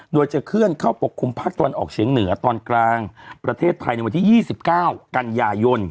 โดยจะเคลื่อนเข้าปกคลุมภาคตะวันออกเฉียงเหนือตอนกลางประเทศไทยในวันที่๒๙กันยายน